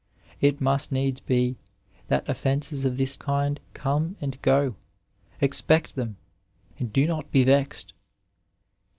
It must needs be that offences of this kind come ; expect them, and do not be vexed.